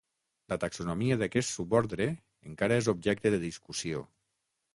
La taxonomia d'aquest subordre encara és objecte de discussió.